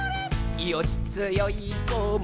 「よっつよいこも